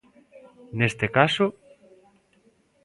Neste caso?